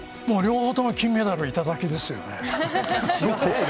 両方とも金メダルいただきですよね。